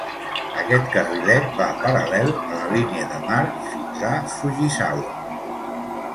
Aquest carrilet va paral·lel a la línia de mar fins a Fujisawa.